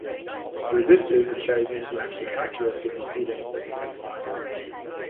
The resistors are chosen to match the characteristic impedance of the sense lines.